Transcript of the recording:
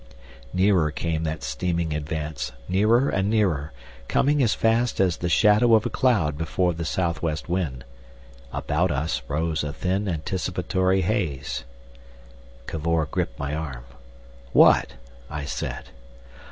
Nearer came that steaming advance, nearer and nearer, coming as fast as the shadow of a cloud before the south west wind. About us rose a thin anticipatory haze. Cavor gripped my arm. "What?" I said.